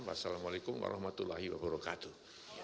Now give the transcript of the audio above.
wassalamu'alaikum warahmatullahi wabarakatuh